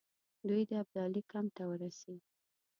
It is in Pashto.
دوی د ابدالي کمپ ته ورسي.